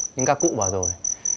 nhưng các cụ bảo rồi